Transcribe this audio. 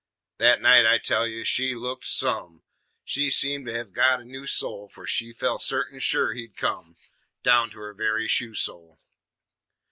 Thet night, I tell ye, she looked some! She seemed to 've gut a new soul For she felt sartin sure he'd come, Down to her very shoe sole.